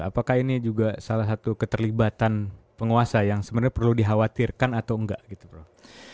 apakah ini juga salah satu keterlibatan penguasa yang sebenarnya perlu dikhawatirkan atau enggak gitu prof